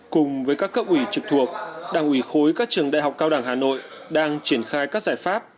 cùng với các cấp ủy trực thuộc đảng ủy khối các trường đại học cao đẳng hà nội đang triển khai các giải pháp